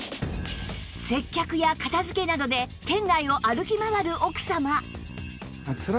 接客や片付けなどで店内を歩き回る奥様